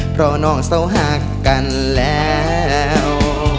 เพราะน้องเศร้าหักกันแล้ว